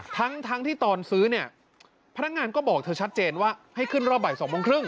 ทั้งทั้งที่ตอนซื้อเนี่ยพนักงานก็บอกเธอชัดเจนว่าให้ขึ้นรอบบ่าย๒โมงครึ่ง